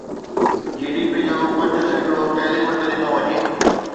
جي D P جو پنج سيڪڙو تعليم تي ڏنو وڃي